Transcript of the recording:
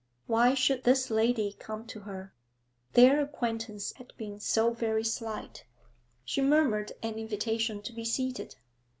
Why should this lady come to her? Their acquaintance had been so very slight. She murmured an invitation to be seated.